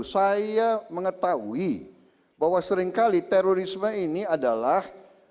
saya mengetahui bahwa seringkali terorisme ini adalah